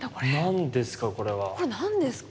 これ何ですか？